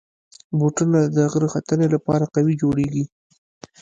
بوټونه د غره ختنې لپاره قوي جوړېږي.